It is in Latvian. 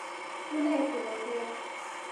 Tu neesi no tiem.